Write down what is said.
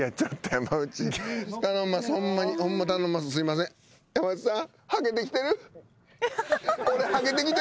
山内さん。